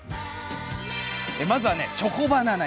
まずはチョコバナナ。